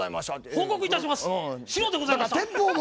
報告いたします！